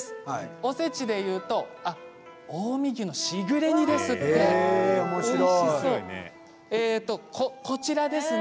おせちでいうと近江牛のしぐれ煮ですね。